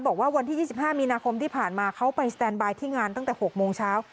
บอกว่าวันที่๒๕มีนาคมที่ผ่านมาเขาไปสแตนบายที่งานตั้งแต่๖โมงเช้า